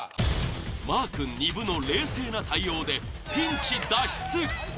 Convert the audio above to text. マー君丹生の冷静な対応でピンチ脱出。